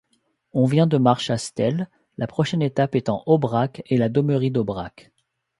On vient de Marchastel, la prochaine étape étant Aubrac et la Domerie d'Aubrac.